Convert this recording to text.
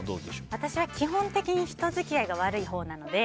私は基本的に人付き合いが悪いほうなので。